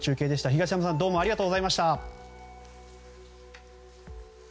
東山さん、どうもありがとうございました。